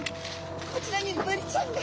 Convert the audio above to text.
こちらにブリちゃんが！